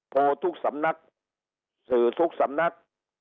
โทรทุกสำนักสื่อทุกสำนัก